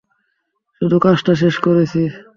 শুধু কাজটা শেষ করছি।